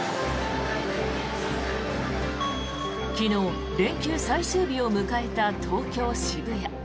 昨日、連休最終日を迎えた東京・渋谷。